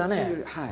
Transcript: はい。